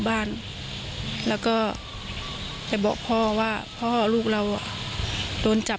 โทรไปถามว่าแม่ช่วยด้วยถูกจับ